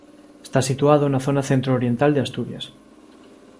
Está situado na zona centro oriental de Asturias.